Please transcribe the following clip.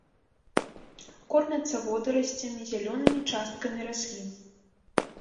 Кормяцца водарасцямі, зялёнымі часткамі раслін.